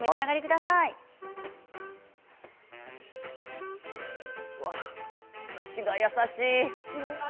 だしが優しい。